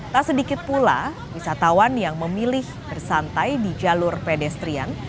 tak sedikit pula wisatawan yang memilih bersantai di jalur pedestrian